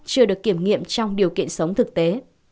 chưa được kiểm nghiệm trong điều kiện sống thực tế